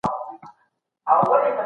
دین باید د سوداګرۍ وسیله نه وي.